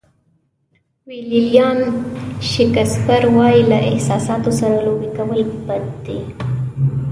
ویلیام شکسپیر وایي له احساساتو سره لوبې کول بد دي.